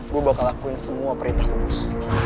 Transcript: gue bakal lakuin semua perintah lu